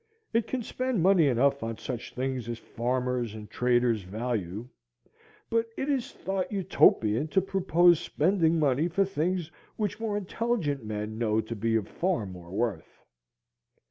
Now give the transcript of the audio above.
It can spend money enough on such things as farmers and traders value, but it is thought Utopian to propose spending money for things which more intelligent men know to be of far more worth.